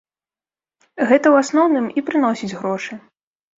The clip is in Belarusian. Гэта ў асноўным і прыносіць грошы.